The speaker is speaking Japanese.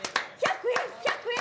１００円１００円！